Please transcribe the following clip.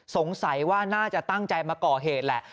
สงสัยว่าน่าจะตั้งใจมาก่อเหตุแหละ